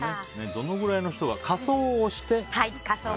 どのぐらいの人が仮装をして。